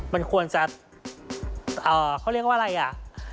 มันควรจะเขาเรียกว่าอะไรอ่ะ